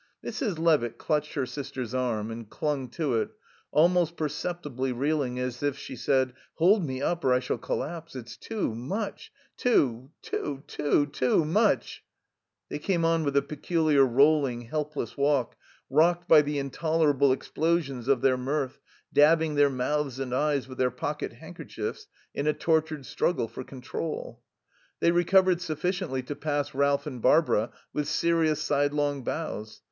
Mrs. Levitt clutched her sister's arm and clung to it, almost perceptibly reeling, as if she said: "Hold me up or I shall collapse. It's too much. Too too too too much." They came on with a peculiar rolling, helpless walk, rocked by the intolerable explosions of their mirth, dabbing their mouths and eyes with their pocket handkerchiefs in a tortured struggle for control. They recovered sufficiently to pass Ralph and Barbara with serious, sidelong bows.